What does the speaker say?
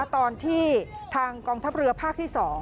ตอนที่ทางกองทัพเรือภาคที่๒